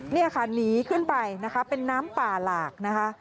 นี่ค่ะหนีขึ้นไปนะคะเป็นน้ำป่าหลากนะคะ